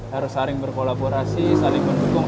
harus saling berkolaborasi saling mendukung